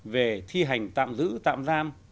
về thi hành tạm giữ tạm giam